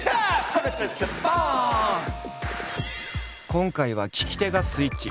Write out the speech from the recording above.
今回は聞き手がスイッチ！